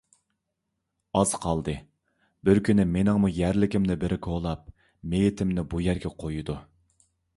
ئاز قالدى، بىر كۈنى مېنىڭمۇ يەرلىكىمنى بىرى كولاپ، مېيىتىمنى بۇ يەرگە قويىدۇ.